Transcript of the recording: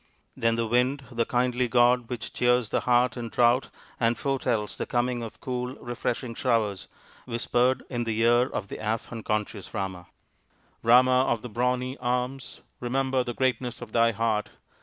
Then the Wind, the kindly god which cheers the heart in drought and foretells the coming of cool, refreshing showers, whispered in the ear of the half unconscious Rama :" Rama of the brawny arms, remember the greatness of thy heart.